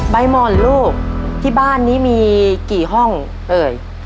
หม่อนลูกที่บ้านนี้มีกี่ห้องเอ่ย